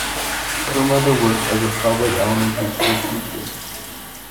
Her mother worked as a public elementary school teacher.